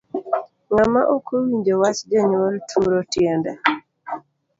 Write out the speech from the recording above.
Ng'ama okowinjo wach janyuol turo tiende.